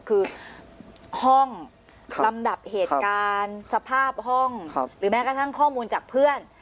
คือห้องลำดับเหตุการณ์สภาพห้องหรือแม้กระทั่งข้อมูลจากเพื่อน